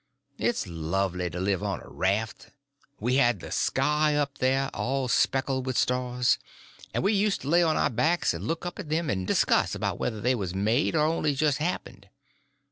It's lovely to live on a raft. We had the sky up there, all speckled with stars, and we used to lay on our backs and look up at them, and discuss about whether they was made or only just happened.